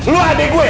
lu adik gue